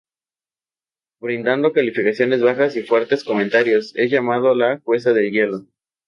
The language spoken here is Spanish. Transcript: Brindado calificaciones bajas y fuertes comentarios, es llamada La jueza de hielo.